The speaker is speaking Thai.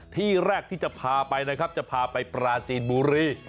ที่แรกที่จะพาไปนะครับจะพาไปปราจีนบุรี